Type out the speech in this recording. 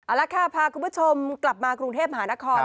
เอาละค่ะพาคุณผู้ชมกลับมากรุงเทพมหานคร